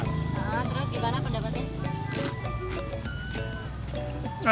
terus gimana pendapatnya